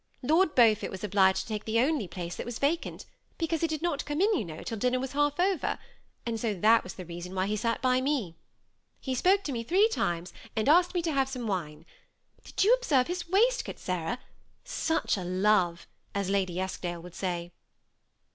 Lord Beaufort was obliged to take the only place that was vacant, because he did not come in, you know, till dinner was half over, and so that was the reason why he sat by me. He spoke to me three times, and asked me to have some wine. Did you observe his waistcoat, Sarah ?* such a love !' as Lady Eskdale would say."